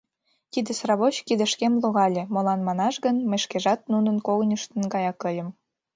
Тиде сравоч кидышкем логале, молан манаш гын, мый шкежат нунын когыньыштын гаяк ыльым.